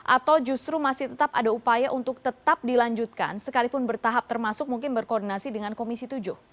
atau justru masih tetap ada upaya untuk tetap dilanjutkan sekalipun bertahap termasuk mungkin berkoordinasi dengan komisi tujuh